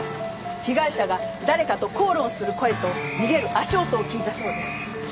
被害者が誰かと口論する声と逃げる足音を聞いたそうです。